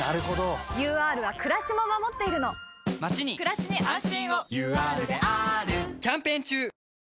ＵＲはくらしも守っているのまちにくらしに安心をＵＲであーるキャンペーン中！